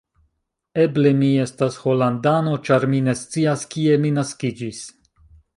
Eble mi estas holandano, ĉar mi ne scias, kie mi naskiĝis.